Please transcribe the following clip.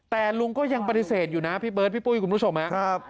แต่ลุงก็ยังปฏิเสธอยู่นะพี่เบิร์ดพี่ปุ้ยคุณผู้ชมครับ